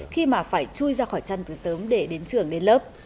khi mà phải chui ra khỏi chăn từ sớm để đến trường lên lớp